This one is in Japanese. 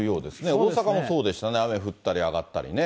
大阪もそうでしたね、雨降ったり上がったりね。